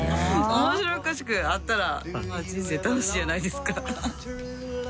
おもしろおかしくあったらまぁ人生楽しいやないですか。